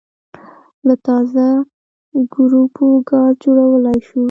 له تازه ګوبرو ګاز جوړولای شو